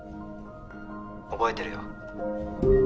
「覚えてるよ」